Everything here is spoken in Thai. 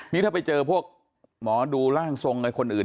นี่ถ้าไปเจอพวกหมอดูร่างทรงอะไรคนอื่น